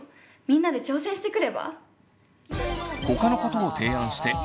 みんなで挑戦してくれば？